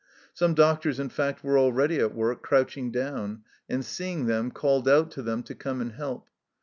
Some doctors, in fact, were already at work crouching down, and seeing them, called out to them to come and help.